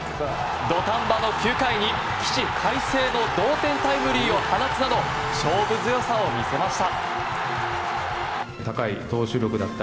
土壇場の９回に起死回生の同点タイムリーを放つなど勝負強さを見せました。